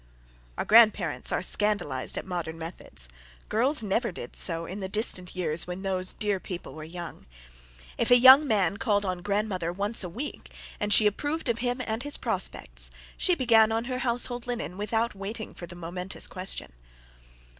Our grandparents are scandalised at modern methods. "Girls never did so," in the distant years when those dear people were young. If a young man called on grandmother once a week, and she approved of him and his prospects, she began on her household linen, without waiting for the momentous question.